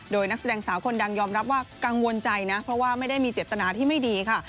โดยนักแสดงสาวคนดังยอมรับว่ากังวลใจนะเพราะว่าไม่ได้มีเจตนาที่ไม่ดีค่ะ